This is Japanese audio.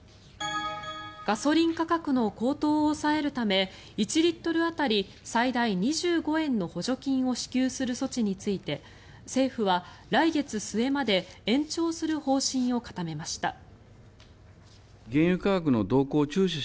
ガソリン価格の高騰を抑えるため１リットル当たり最大２５円の補助金を支給する措置について政府は来月末まで延長する方針を固めました。